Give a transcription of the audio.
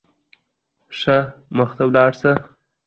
په دغه ودانۍ کي مي له خپل استاد څخه مننه وکړه.